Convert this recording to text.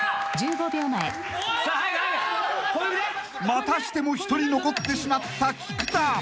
［またしても一人残ってしまった菊田］